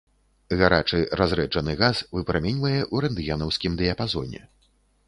Гарачы разрэджаны газ выпраменьвае ў рэнтгенаўскім дыяпазоне.